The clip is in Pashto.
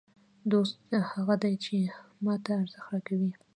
دوست هغه دئ، چي ما ته ارزښت راکوي.